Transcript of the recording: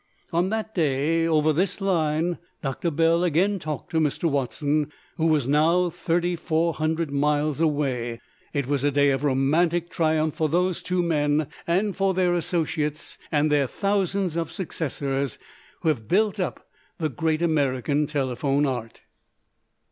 On that day over this line Doctor Bell again talked to Mr. Watson, who was now 3,400 miles away. It was a day of romantic triumph for these two men and for their associates and their thousands of successors who have built up the great American telephone art.